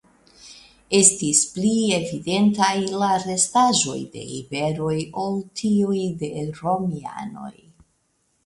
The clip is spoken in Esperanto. Estis pli evidentaj la restaĵoj de iberoj ol tiuj de romianoj.